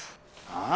ああ？